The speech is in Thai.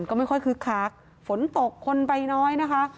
ก็ไม่ค่อยคึกคักฝนตกคนไปน้อยนะคะ